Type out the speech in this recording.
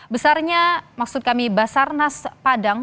besarnya maksud kami basarnas padang